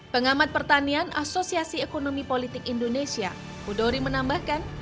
pengamat pertanian asosiasi ekonomi politik indonesia budori menambahkan